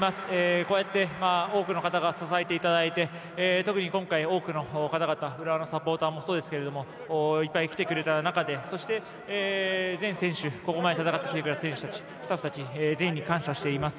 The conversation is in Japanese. こうやって多くの方に支えていただいて特に今回、多くの方々浦和のサポーターもそうですけどもいっぱい来てくれた中でそして、ここまで戦ってきてくれた全選手たちスタッフたち全員に感謝しています。